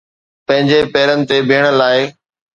پنهنجي پيرن تي بيهڻ لاءِ